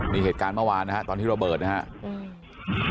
นี่เหตุการณ์เมื่อวานนะฮะตอนที่ระเบิดนะครับ